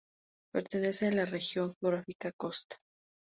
Pertenece a la región geográfica costa.